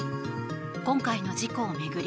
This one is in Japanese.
今回の事故を巡り